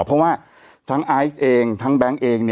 เพราะว่าทั้งอาร์เอสเองทั้งแบงค์เอง